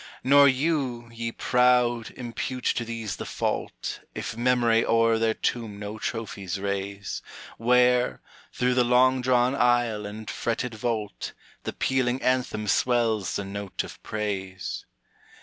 Nor you, ye proud, impute to these the fault, If Memory o'er their tomb no trophies raise, Where, through the long drawn aisle and fretted vault, The pealing anthem swells the note of praise.